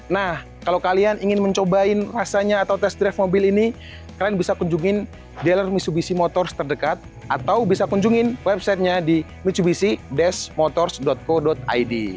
nah kalau kalian ingin mencobain rasanya atau tes drive mobil ini kalian bisa kunjungin dealer mitsubisi motors terdekat atau bisa kunjungin websitenya di mitsubisi desmotors co id